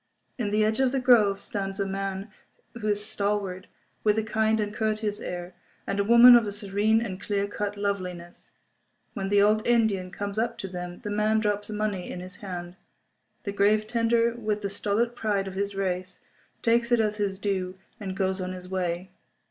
In the edge of the grove stand a man who is stalwart, with a kind and courteous air, and a woman of a serene and clear cut loveliness. When the old Indian comes up to them the man drops money in his hand. The grave tender, with the stolid pride of his race, takes it as his due, and goes his way.